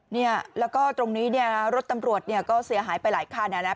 เนี่ยแล้วก็ตรงนี้เนี่ยนะรถตำรวจเนี่ยก็เสียหายไปหลายคัน